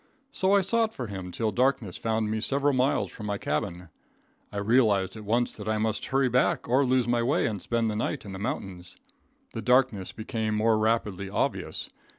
So I sought for him till darkness found me several miles from my cabin. I realized at once that I must hurry back, or lose my way and spend the night in the mountains. The darkness became more rapidly obvious.